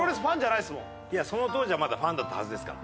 いやその当時はまだファンだったはずですから。